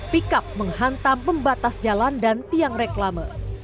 pickup menghantam pembatas jalan dan tiang reklama